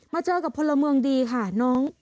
เจอกับพลเมืองดีค่ะน้อง